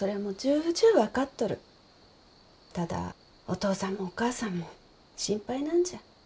ただお父さんもお母さんも心配なんじゃ。